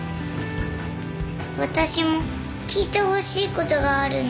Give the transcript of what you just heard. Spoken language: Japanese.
私も聞いてほしいことがあるの。